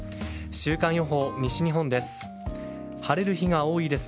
週間予報、西日本です。